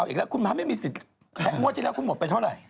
อีกแล้วคุณพระไม่มีสิทธิ์งวดที่แล้วคุณหมดไปเท่าไหร่